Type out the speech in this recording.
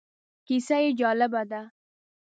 کیسه یې جالبه ده.